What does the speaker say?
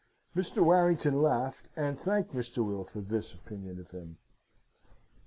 Mr. Warrington laughed, and thanked Mr. Will for this opinion of him.